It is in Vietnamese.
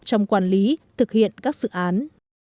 trong quản lý thực hiện các dự án